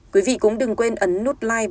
quý vị cũng đừng quên ấn nút like